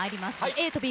ＡとＢ。